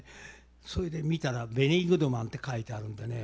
それで見たらベニー・グッドマンって書いてあるんでね